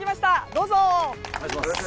どうぞ！